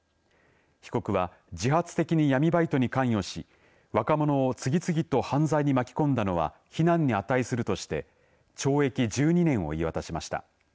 被告は自発的に闇バイトに関与し若者を次々と犯罪に巻き込んだのは非難に値するとして懲役１２年を言い渡しました。